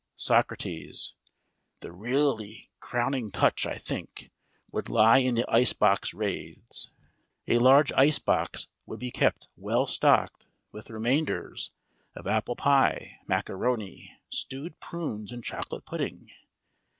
SOCRATES: The really crowning touch, I think, would lie in the ice box raids. A large ice box would be kept well stocked with remainders of apple pie, macaroni, stewed prunes, and chocolate pudding.